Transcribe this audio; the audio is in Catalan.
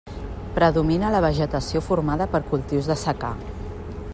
Predomina la vegetació formada per cultius de secà.